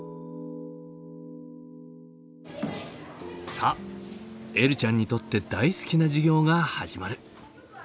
さあえるちゃんにとって大好きな授業が始まる。